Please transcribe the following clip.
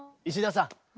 石田さん！